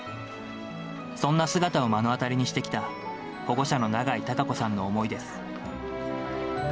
そんな姿を目の当たりにしてきた保護者の永井貴子さんの思いです。